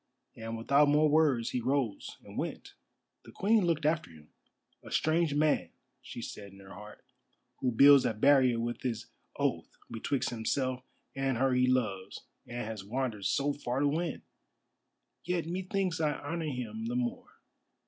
And without more words he rose and went. The Queen looked after him. "A strange man," she said in her heart, "who builds a barrier with his oath betwixt himself and her he loves and has wandered so far to win! Yet methinks I honour him the more.